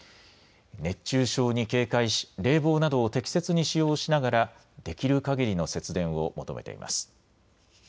熱中症に警戒し、冷房などを適切に使用しながらできるかぎりの節電を求めています。